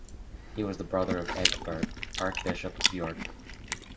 He was the brother of Ecgbert, Archbishop of York.